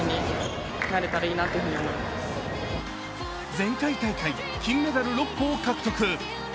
前回大会、金メダル６個を獲得。